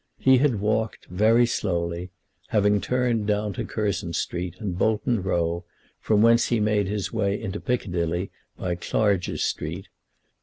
He had walked very slowly, having turned down to Curzon Street and Bolton Row, from whence he made his way into Piccadilly by Clarges Street.